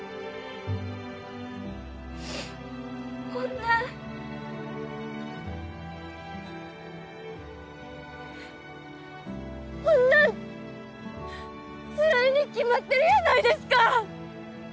ほんなんほんなんつらいに決まってるやないですか